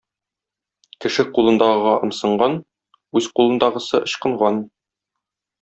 Кеше кулындагыга ымсынган, үз кулындагысы ычкынган.